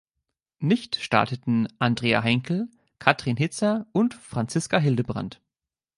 Nicht starteten Andrea Henkel, Kathrin Hitzer und Franziska Hildebrand.